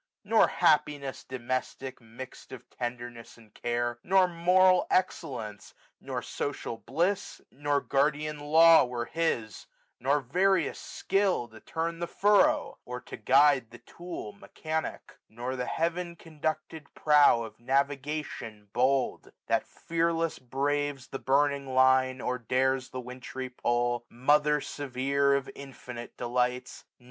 Nor happiness Domestic, mix*d of tenderness and care^ Nor moral excellence, nor social bUss, Nor guardian law, were his ; nor various skill To turn the furrow^ or to guide the tool 1765 Mechanic ; nor the heaven conducted prow Of navigation bold, that fearless braves The burning Une, or dares the wintry pole; Mother severe of infinite delights